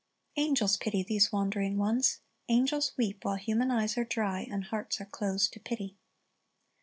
Angels pity these wandering ones. Angels weep, , while human eyes are dry and hearts are closed to pity.